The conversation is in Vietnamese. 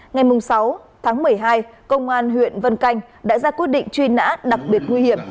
ngày sáu tháng một mươi hai công an huyện vân canh đã ra quyết định truy nã đặc biệt nguy hiểm